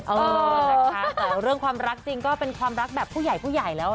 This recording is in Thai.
แต่เรื่องความรักจริงก็เป็นความรักแบบผู้ใหญ่แล้ว